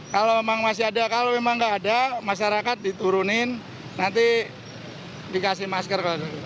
kalau memang masih ada kalau memang nggak ada masyarakat diturunin nanti dikasih masker